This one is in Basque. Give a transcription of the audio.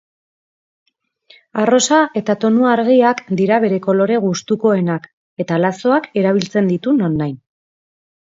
Arrosa eta tonu argiak dira bere kolore gustukoenak eta lazoak erabiltzen ditu nonahi.